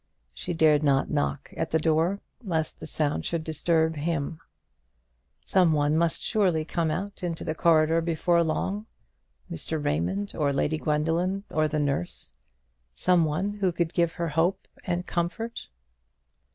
She dared not knock at that door, lest the sound should disturb him. Some one must surely come out into the corridor before long, Mr. Raymond, or Lady Gwendoline, or the nurse, some one who could give her hope and comfort.